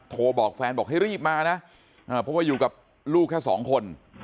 โทรบอกแฟนบอกให้รีบมานะเพราะว่าอยู่กับลูกแค่สองคน